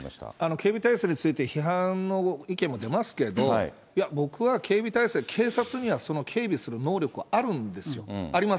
警備体制について、批判の意見も出ますけど、僕は警備体制、警察には警備する能力はあるんですよ。あります。